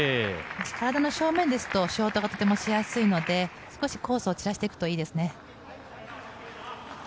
体の正面ですとショートがとてもしやすいので少しコースを散らしていくといいですね。